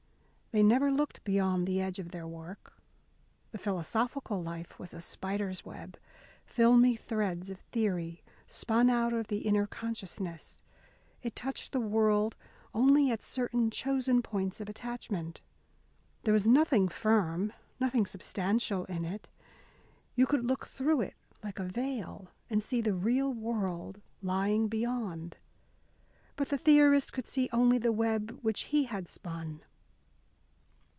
They never looked beyond the edge of their work. The philosophical life was a spider's web filmy threads of theory spun out of the inner consciousness it touched the world only at certain chosen points of attachment. There was nothing firm, nothing substantial in it. You could look through it like a veil and see the real world lying beyond. But the theorist could see only the web which he had spun.